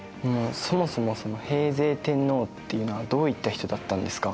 そもそもその平城天皇っていうのはどういった人だったんですか？